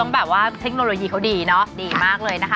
แบบว่าเทคโนโลยีเขาดีเนอะดีมากเลยนะคะ